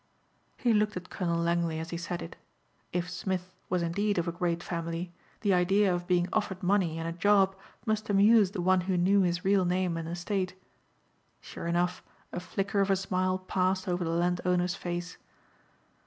He looked at Colonel Langley as he said it. If Smith was indeed of a great family the idea of being offered money and a job must amuse the one who knew his real name and estate. Sure enough a flicker of a smile passed over the landowner's face.